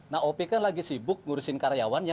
nah opi kan lagi sibuk ngurusin karyawan ya